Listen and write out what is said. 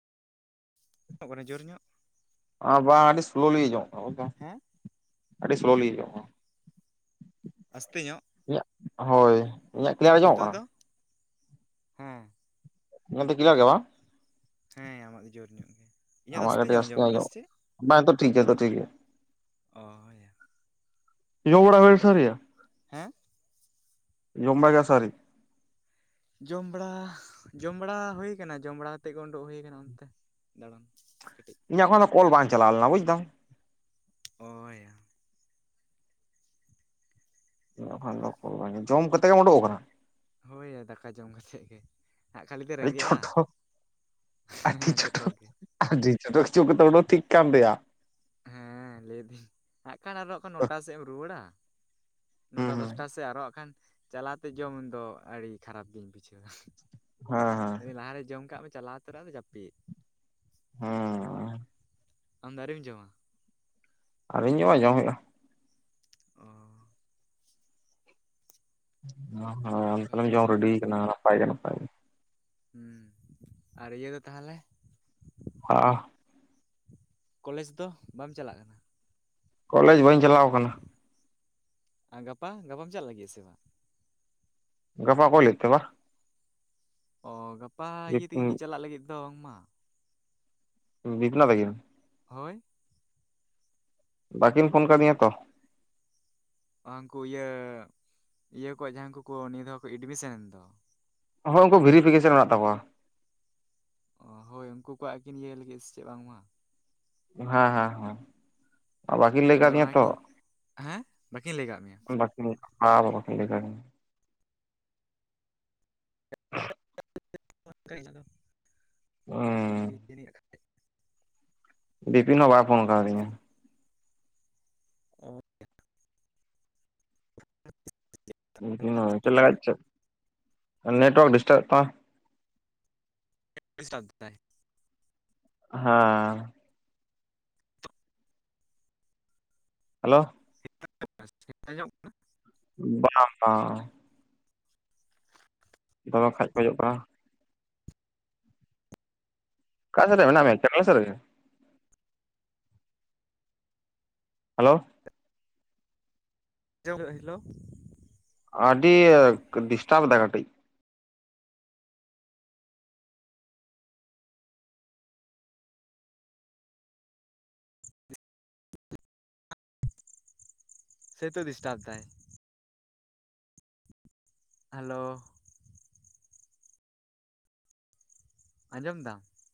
[unintelligible] ᱡᱳᱨ ᱧᱚᱜ ᱚ ᱵᱟ ᱟᱹᱰᱤ ᱥᱞᱳᱞᱤ ᱡᱚᱢᱚᱜ [unintelligible] ᱦᱮᱸ᱾ ᱟᱹᱰᱤ ᱥᱞᱳᱞᱤ [unintelligible] ᱟᱥᱛᱮ ᱧᱚᱜ? ᱤᱧᱟᱜ ᱦᱳᱭ ᱤᱧᱟᱜ ᱠᱞᱤᱭᱟᱨ ᱟᱸᱡᱚᱢᱚᱜ ᱱᱤᱛᱚᱜ ᱠᱟᱱᱟ? ᱫᱚ ᱦᱮᱸ ᱤᱧᱟᱜ ᱫᱚ ᱠᱞᱤᱭᱟᱨ ᱜᱮ ᱵᱟ ᱦᱮᱸ ᱟᱢᱟᱜ ᱜᱮ ᱡᱳᱨ ᱧᱚᱜ ᱜᱮ᱾ ᱤᱧᱟᱹᱜ ᱫᱚ ᱟᱢᱟᱜ ᱠᱟᱹᱴᱤᱜ ᱟᱥᱛᱮ ᱟᱸᱡᱚᱢᱚᱜ ᱠᱟᱱᱟ ᱧᱚᱜ, ᱥᱮ ᱪᱮᱫ ᱵᱟ ᱛᱚᱜ ᱴᱷᱤᱠ ᱜᱮᱭᱟ ᱛᱚ ᱴᱷᱤᱠ ᱜᱮᱭᱟ᱾ ᱚᱭᱟ ᱡᱳ ᱵᱟᱲᱟ ᱦᱩᱭ ᱥᱟᱨᱭᱟ ᱦᱮᱸ ᱡᱚᱢ ᱵᱟᱲᱟ ᱠᱮ ᱟ ᱥᱮ ᱟᱹᱣᱨᱤ ᱡᱚᱢ ᱵᱟᱲᱟ ᱡᱚᱢ ᱵᱟᱲᱟ ᱦᱩᱭ ᱠᱟᱱᱟ ᱡᱚᱢ ᱵᱟᱲᱟ ᱛᱮᱜ ᱜᱮ ᱩᱰᱩᱠ ᱦᱩᱭ ᱠᱟᱱᱟ ᱚᱱᱛᱮ ᱫᱟᱬᱟᱱ᱾ ᱠᱟᱹᱴᱤᱡ ᱤᱧᱟᱹᱜ ᱠᱷᱚᱱᱟᱜ ᱫᱚ ᱠᱚᱞ ᱵᱟᱝ ᱪᱟᱞᱟᱣ ᱞᱮᱱᱟ ᱵᱩᱡ ᱫᱟᱢ᱾ ᱚᱭᱟ [unintelligible] ᱡᱚᱢ ᱠᱟᱛᱮᱜ ᱮᱢ ᱩᱰᱩᱜ ᱟᱠᱟᱱᱟ? ᱦᱳᱭ ᱭᱟ ᱫᱟᱠᱟ ᱡᱚᱢ ᱠᱟᱛᱮᱜ ᱜᱮ᱾ ᱦᱟᱸᱜ ᱠᱷᱟᱹᱞᱤ ᱫᱟ ᱟᱹᱰᱤ ᱨᱮᱸᱜᱮᱜᱼᱟ ᱪᱷᱳᱴᱳ ᱦᱮᱸ ᱪᱚᱴᱚᱠ ᱜᱮ᱾ ᱟᱰᱤ [unintelligible] ᱚᱰᱚᱠ ᱴᱷᱤᱠ ᱠᱟᱱ ᱫᱚᱭᱟ ᱦᱮᱸ ᱞᱟᱹᱭᱫᱟᱹᱧ ᱦᱟᱸᱜ ᱠᱷᱟᱱ ᱟᱨᱦᱚᱸ ᱠᱷᱟᱱ ᱱᱚᱴᱟ ᱥᱮᱜ ᱮᱢ ᱨᱩᱣᱟᱹᱲᱟ᱾ ᱦᱩᱸ ᱱᱚᱴᱟ ᱦᱩᱸ ᱫᱚᱥᱴᱟ ᱥᱮᱜ ᱟᱨᱚ ᱦᱟᱸᱜ ᱠᱷᱟᱱ ᱪᱟᱞᱟᱣᱛᱮ ᱡᱚᱢ ᱫᱚ ᱟᱹᱰᱤ ᱠᱷᱟᱨᱟᱯ ᱜᱤᱧ ᱵᱩᱡᱷᱟᱹᱣᱟ᱾ ᱦᱟᱸ ᱦᱟᱸ ᱠᱷᱟᱹᱞᱤ ᱞᱟᱦᱟ ᱨᱮ ᱡᱚᱢ ᱠᱟᱜ ᱢᱮ ᱪᱟᱞᱟᱣ ᱛᱚᱨᱟ ᱟᱫᱚ ᱡᱟᱹᱯᱤᱜ᱾ ᱦᱚᱸ ᱦᱚᱸ ᱟᱢ ᱫᱚ ᱟᱹᱣᱨᱤᱢ ᱡᱚᱢᱟ? ᱟᱣᱨᱤᱧ ᱡᱚᱢᱟ ᱡᱚᱢ ᱦᱩᱭᱩᱜᱼᱟ᱾ ᱚ ᱦᱟᱸ ᱦᱟᱸ ᱟᱢ ᱚᱱᱠᱟ ᱛᱟᱞᱮᱢ ᱡᱚᱢ ᱨᱮᱰᱤ ᱠᱟᱱᱟ ᱱᱟᱯᱟᱭ ᱜᱮ ᱱᱟᱯᱟᱭ ᱜᱮ᱾ ᱦᱚᱸ ᱟᱨ ᱤᱭᱟᱹ ᱫᱚ ᱛᱟᱦᱮᱞᱮ ᱦᱟᱜᱼᱟ ᱠᱚᱞᱮᱡᱽ ᱫᱚ ᱵᱟᱢ ᱪᱟᱞᱟᱜ ᱠᱟᱱᱟ? ᱠᱚᱞᱮᱡᱽ ᱵᱟᱹᱧ ᱪᱟᱞᱟᱣ ᱟᱠᱟᱱᱟ᱾ ᱟ ᱜᱟᱯᱟ ᱜᱟᱯᱟᱢ ᱪᱟᱜ ᱞᱟᱹᱜᱤᱜ ᱟ ᱥᱮ ᱵᱟᱝ? ᱜᱟᱯᱟ ᱚᱠᱚᱭ ᱞᱟᱹᱭᱮᱫ ᱛᱮ ᱵᱟ ᱚ ᱜᱟᱯᱟ ᱤᱭᱟᱹ ᱛᱤᱜᱤᱱ ᱠᱤᱱ ᱪᱟᱞᱟᱜ ᱞᱟᱹᱜᱤᱫ ᱫᱚ ᱵᱟᱝᱢᱟ [unintelligible] ᱛᱟᱠᱤᱱ ᱦᱳᱭ ᱵᱟᱹᱠᱤᱱ ᱯᱷᱳᱱ ᱠᱟᱣᱫᱤᱧᱟ ᱛᱚ ᱾ ᱩᱝᱠᱩ ᱤᱭᱟᱹ ᱤᱭᱟᱹ ᱠᱚ ᱡᱟᱦᱟᱸᱭ ᱠᱚᱠᱚ ᱱᱤᱭᱟᱹ ᱫᱷᱟᱣ ᱠᱚ ᱮᱰᱢᱤᱥᱮᱱᱮᱱ ᱫᱚ ᱦᱚ ᱩᱱᱠᱩ ᱵᱷᱮᱨᱤᱯᱷᱤᱠᱮᱥᱚᱱ ᱢᱮᱱᱟᱜ ᱛᱟᱠᱚᱣᱟ ᱾ ᱚ ᱦᱳᱭ ᱩᱱᱠᱩ ᱠᱚᱣᱟᱜ ᱠᱤᱱ ᱤᱭᱟᱹᱭ ᱞᱟᱹᱜᱤᱫ ᱥᱮ ᱪᱮᱫ ᱵᱟᱝᱢᱟ ᱦᱮᱸ ᱦᱮᱸ ᱦᱮᱸ ᱵᱟᱹᱠᱤᱱ ᱞᱟᱹᱭ ᱟᱫᱚ ᱠᱟᱫᱤᱧᱟ ᱛᱚ ᱚᱱᱟᱜᱤᱧ ᱦᱮᱸ ᱵᱟᱹᱠᱤᱱ ᱞᱟᱹᱭ ᱠᱟᱜ ᱢᱮᱭᱟ? ᱵᱟᱠᱤᱱ ᱵᱟ ᱵᱟᱠᱤᱱ ᱞᱟᱹᱭ ᱠᱟᱣ ᱫᱤᱧᱟ ᱾ [unintelligible] [unintelligible] [inaudible] ᱚ [unintelligible] ᱵᱤᱯᱤᱱ ᱦᱚᱸ ᱵᱟᱭ ᱯᱷᱳᱱ ᱠᱟᱣᱫᱤᱧᱟ ᱾ ᱚ [inaudible] [inaudible] [unintelligible] ᱪᱮᱫ ᱞᱮᱜᱟᱫ ᱪᱮᱫ ᱱᱮᱴᱳᱣᱟᱨᱠ ᱰᱤᱥᱴᱟᱵ ᱮᱫ ᱛᱟᱢᱟᱭ ᱰᱤᱥᱴᱟᱵ ᱫᱟᱭ ᱦᱟᱸ ᱦᱮᱞᱳ [inaudible] ᱟᱸᱡᱚᱢᱚᱜ ᱠᱟᱱᱟ [unintelligible] ᱵᱟᱝ ᱵᱟᱝ ᱫᱚᱢᱮ ᱠᱷᱟᱡ ᱠᱷᱚᱡᱚᱜ ᱠᱟᱱᱟ ᱾ ᱚᱠᱟ ᱥᱮ ᱨᱮ ᱢᱮᱱᱟᱜ ᱢᱮᱭᱟ? ᱠᱟᱢᱤ ᱥᱮᱫ ᱨᱮᱜᱮ ᱦᱮᱞᱳ ᱪᱮ ᱚᱝᱜᱮ ᱦᱤᱞᱳ ᱟᱹᱰᱤᱭᱮᱠ ᱰᱤᱥᱴᱟᱵᱽ ᱮᱫᱟᱭ ᱠᱟᱹᱴᱤᱡ ᱥᱮᱛᱚ ᱰᱤᱥᱴᱟᱵ ᱫᱟᱭ ᱦᱮᱞᱳ ᱟᱸᱡᱚᱢ ᱫᱟᱢ